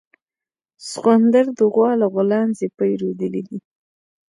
سخوندر د غوا له غولانځې پی رودلي دي